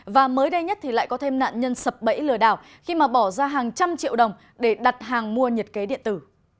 và mới đây nhất thì lại có thêm nạn nhân sập bẫy lừa đảo khi mà bỏ ra hàng trăm triệu đồng để đặt hàng mua nhiệt kế điện tử